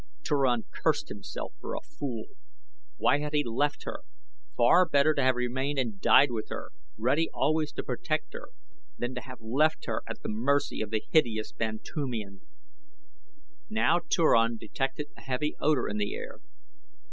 Turan cursed himself for a fool. Why had he left her? Far better to have remained and died with her, ready always to protect her, than to have left her at the mercy of the hideous Bantoomian. Now Turan detected a heavy odor in the air.